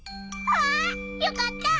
あっよかった！